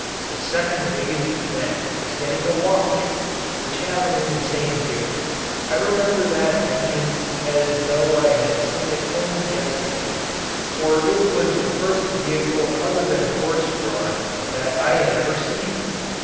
The second biggest event was getting a watch which happened in the same year. I remember that engine as though I had seen it only yesterday, for it was the first vehicle other than horse drawn that I had ever seen.